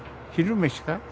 「昼めし」か？